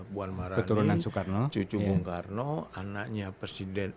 puan marani cucu bung karno anaknya presiden